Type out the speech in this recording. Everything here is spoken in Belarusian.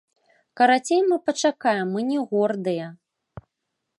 Карацей, мы пачакаем, мы не гордыя.